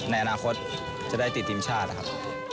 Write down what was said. ในอนาคตจะได้ติดทีมชาตินะครับ